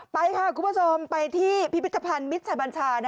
ไปค่ะคุณผู้ชมไปที่พิพิธภัณฑ์มิตรชัยบัญชา